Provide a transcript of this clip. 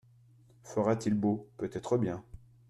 Fera-t-il beau ? Peut être bien.